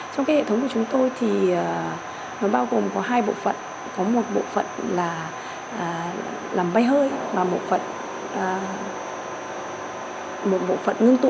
trong cái hệ thống của chúng tôi thì nó bao gồm có hai bộ phận có một bộ phận là làm bay hơi và một bộ phận ngưng tụ